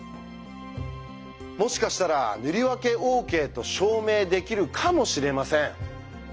もしかしたら塗り分けＯＫと証明できるかもしれません。